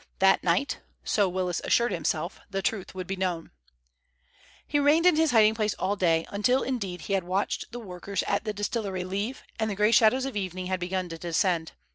That night, so Willis assured himself, the truth would be known. He remained in his hiding place all day, until, indeed, he had watched the workers at the distillery leave and the gray shadows of evening had begun to descend.